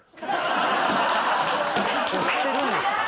押してるんですか？